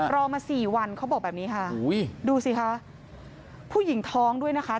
รอมาสี่วันเขาบอกแบบนี้ค่ะดูสิคะผู้หญิงท้องด้วยนะคะ